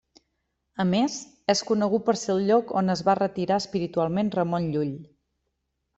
A més, és conegut per ser el lloc on es va retirar espiritualment Ramon Llull.